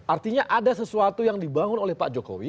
artinya ada sesuatu yang dibangun oleh pak jokowi